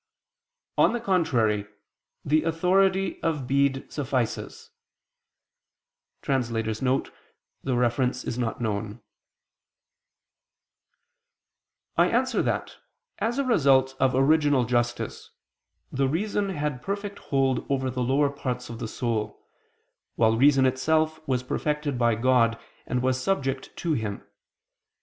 On the contrary, The authority of Bede suffices [*Reference not known]. I answer that, As a result of original justice, the reason had perfect hold over the lower parts of the soul, while reason itself was perfected by God, and was subject to Him.